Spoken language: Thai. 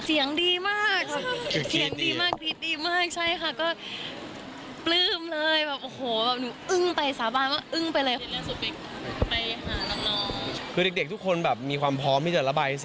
เสียงดีมากอ่ะครับ